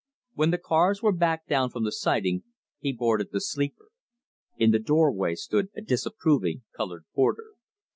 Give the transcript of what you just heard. When the cars were backed down from the siding, he boarded the sleeper. In the doorway stood a disapproving colored porter.